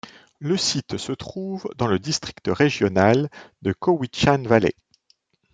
Le site se trouve dans le District régional de Cowichan Valley.